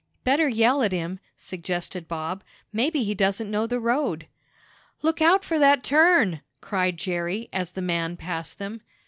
"Better yell at him," suggested Bob. "Maybe he doesn't know the road." "Look out for that turn!" cried Jerry, as the man passed them.